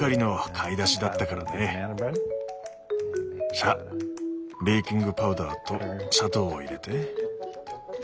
さあベーキングパウダーと砂糖を入れて。